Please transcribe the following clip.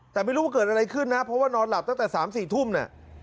แต่ไม่รู้ว่าเกิดอะไรขึ้นนะเพราะว่านอนหลับตั้งแต่๓๔ทุ่มเนี่ย